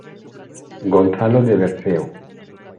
Gonzalo de Berceo.